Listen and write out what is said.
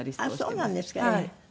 あっそうなんですか。